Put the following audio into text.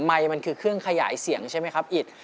มันคือเครื่องขยายเสียงใช่ไหมครับอิต